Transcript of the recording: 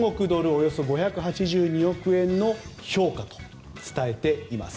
およそ５８２億円の評価と伝えています。